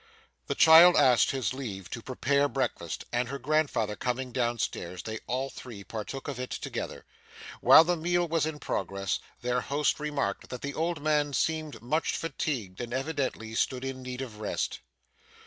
The child asked his leave to prepare breakfast, and her grandfather coming down stairs, they all three partook of it together. While the meal was in progress, their host remarked that the old man seemed much fatigued, and evidently stood in need of rest.